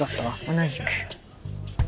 同じく。